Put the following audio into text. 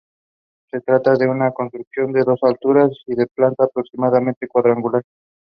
The architect was William Knowles.